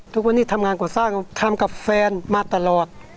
ทุกวันนี้ทำงานก่อสร้างทำกับแฟนมาตลอด